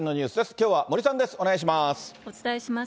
きょうは森さんです。